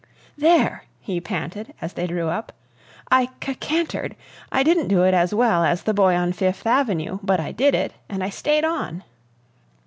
"There!" he panted, as they drew up, "I c cantered. I didn't do it as well as the boy on Fifth Avenue, but I did it, and I staid on!"